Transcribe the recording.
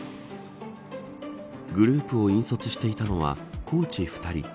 グループを引率していたのはコーチ２人。